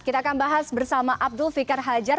kita akan bahas bersama abdul fikar hajar